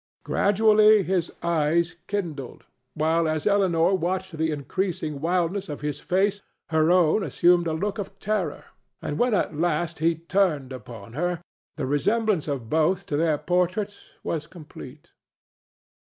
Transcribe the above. Gradually his eyes kindled, while as Elinor watched the increasing wildness of his face her own assumed a look of terror; and when, at last, he turned upon her, the resemblance of both to their portraits was complete.